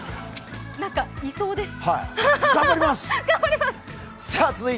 なんかいそうです。